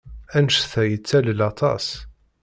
Anect-a yettalel aṭas.